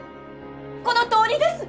このとおりです！